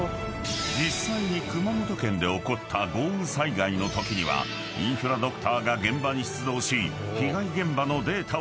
［実際に熊本県で起こった豪雨災害のときにはインフラドクターが現場に出動し］